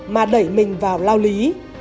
mà đẩy mình vào lao lý